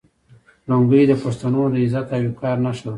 لونګۍ د پښتنو د عزت او وقار نښه ده.